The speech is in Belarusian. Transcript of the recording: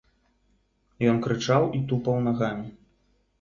Ён крычаў і тупаў нагамі.